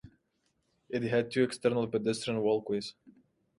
It had two external pedestrian walkways.